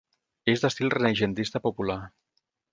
És d'estil renaixentista popular.